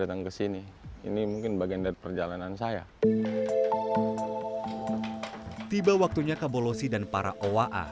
datang ke sini ini mungkin bagian dari perjalanan saya tiba waktunya kabolosi dan para owa